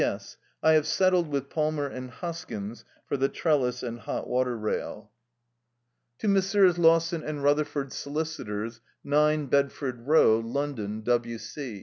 S. I have settled with Palmer and Hoskins for the trellis and hot water rail." "To Messrs. Lawson & Rutherford, Solicitors, "9, Bedford Row, London, W.C.